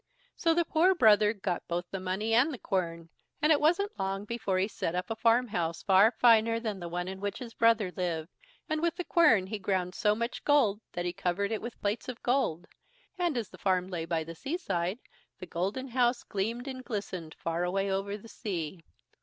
So the poor brother got both the money and the quern, and it wasn't long before he set up a farm house far finer than the one in which his brother lived, and with the quern he ground so much gold that he covered it with plates of gold; and as the farm lay by the sea side, the golden house gleamed and glistened far away over the sea.